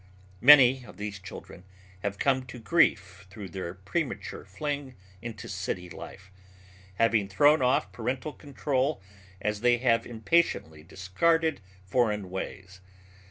Many of these children have come to grief through their premature fling into city life, having thrown off parental control as they have impatiently discarded foreign ways.